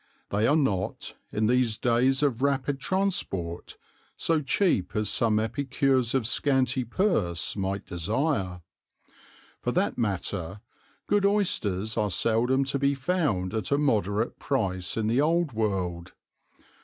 They are not, in these days of rapid transport, so cheap as some epicures of scanty purse might desire. For that matter good oysters are seldom to be found at a moderate price in the old world.